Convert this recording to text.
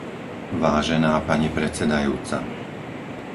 Vážená pani predsedajúca...